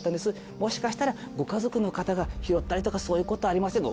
もしかしたらご家族の方が拾ったりとかそういうことありませんか？